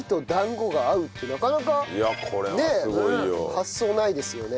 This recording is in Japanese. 発想ないですよね。